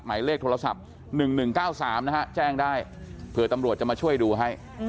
หมายเลขโทรศัพท์๑๑๙๓นะฮะแจ้งได้เผื่อตำรวจจะมาช่วยดูให้